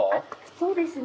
そうですね。